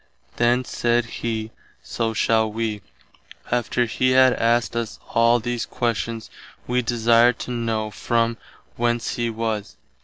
Then said he, So shall wee. After he had asked us all these questions wee desired to know from whence he was.